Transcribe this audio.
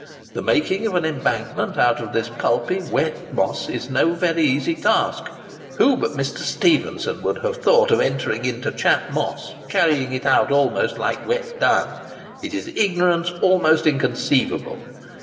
The making of an embankment out of this pulpy, wet moss, is no very easy task. Who but Mr. Stephenson would have thought of entering into Chat Moss, carrying it out almost like wet dung? It is ignorance almost inconceivable.